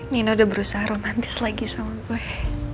nina udah berusaha romantis lagi sama gue